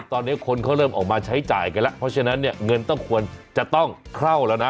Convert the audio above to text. ตอนนี้คนเขาเริ่มออกมาใช้จ่ายกันแล้วเพราะฉะนั้นเนี่ยเงินต้องควรจะต้องเข้าแล้วนะ